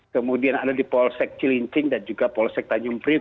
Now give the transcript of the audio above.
kemudian ada di polsek cilincing dan juga polsek tanjung priu